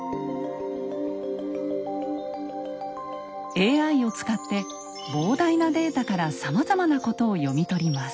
ＡＩを使って膨大なデータからさまざまなことを読み取ります。